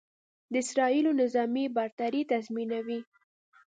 د اسرائیلو نظامي برتري تضیمنوي.